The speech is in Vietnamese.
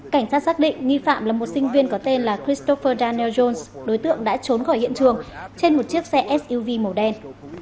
cảnh sát xác định nghi phạm là một sinh viên có tên là kystopher dane johns đối tượng đã trốn khỏi hiện trường trên một chiếc xe suv màu đen